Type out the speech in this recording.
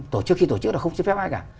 tổ chức khi tổ chức là không xin phép ai cả